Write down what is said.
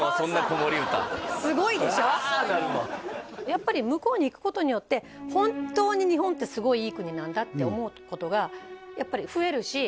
なるわやっぱり向こうに行くことによって本当に日本ってすごいいい国なんだって思うことがやっぱり増えるし逆